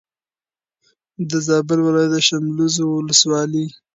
د زابل ولایت د شملزو ولسوالي